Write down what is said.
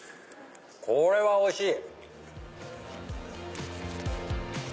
これはおいしい！